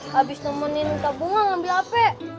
habis temenin tabungan ngambil hp